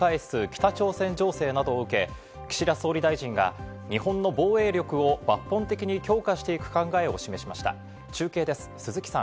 北朝鮮情勢などを受け、岸田総理大臣が日本の防衛力を抜本的に強化していく考えを示しまはい。